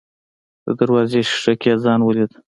د دروازې ښيښه کې يې ځان وليد.